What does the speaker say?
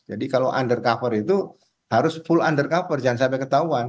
jadi kalau undercover itu harus full undercover jangan sampai ketahuan